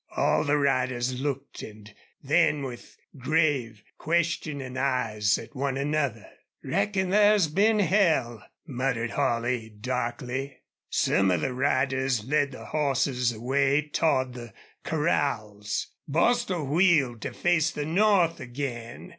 All the riders looked, and then with grave, questioning eyes at one another. "Reckon thar's been hell!" muttered Holley, darkly. Some of the riders led the horses away toward the corrals. Bostil wheeled to face the north again.